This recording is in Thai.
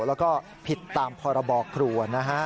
แล้วก็ผิดตามพรบครัวนะฮะ